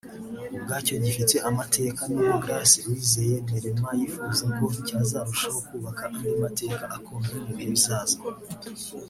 ubwacyo gifite amateka n’ubwo Grace Uwizeye Neelyma yifuza ko cyazarushaho kubaka andi mateka akomeye mu bihe bizaza